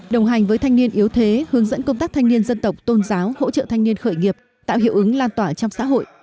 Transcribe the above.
đồng hành với thanh niên yếu thế hướng dẫn công tác thanh niên dân tộc tôn giáo hỗ trợ thanh niên khởi nghiệp tạo hiệu ứng lan tỏa trong xã hội